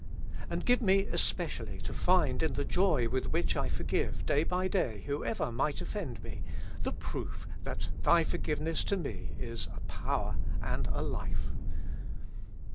And give me especially to find in the joy with which I forgive day by day whoever might offend me, the proof that Thy forgiveness to me is a power and a life.